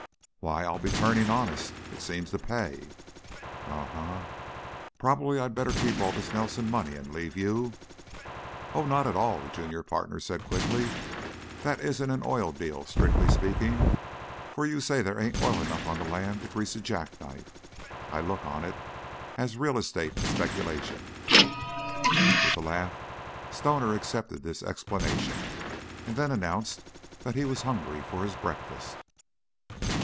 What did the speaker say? "Why, I'll be turning honest. It seems to pay." "Um m. Probably I'd better keep all this Nelson money and leave you " "Oh, not at all," the junior partner said, quickly. "That isn't an oil deal, strictly speaking, for you say there ain't oil enough on the land to grease a jackknife. I look on it as a real estate speculation." With a laugh Stoner accepted this explanation, and then announced that he was hungry for his breakfast.